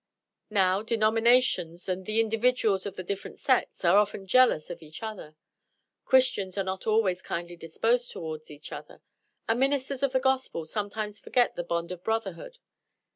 Now, denominations, and the individuals of the different sects, are often jealous of each other. Christians are not always kindly disposed toward each other; and ministers of the gospel sometimes forget the bond of brotherhood.